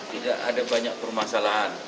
tidak ada banyak permasalahan